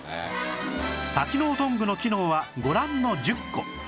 多機能トングの機能はご覧の１０個